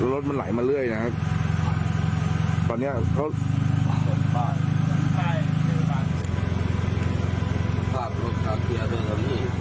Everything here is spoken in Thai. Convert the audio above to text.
รถมันไหลมาเรื่อยนะครับตอนนี้เขา